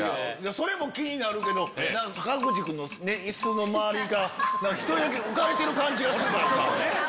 それも気になるけど坂口君の椅子の周りが１人だけ浮かれてる感じがする。